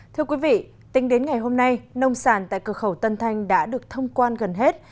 thưa quý vị tính đến ngày hôm nay nông sản tại cửa khẩu tân thanh đã được thông quan gần hết